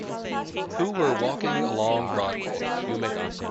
Who were walking along Broadway.